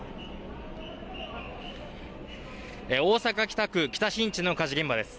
大阪北区、北新地の火事現場です。